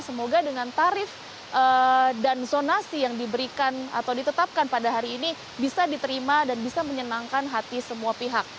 semoga dengan tarif dan zonasi yang diberikan atau ditetapkan pada hari ini bisa diterima dan bisa menyenangkan hati semua pihak